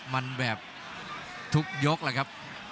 มันแบบทุกยกแหละครับ